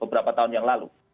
beberapa tahun yang lalu